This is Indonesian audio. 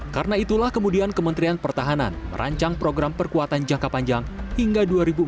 karena itulah kemudian kementerian pertahanan merancang program perkuatan jangka panjang hingga dua ribu empat puluh empat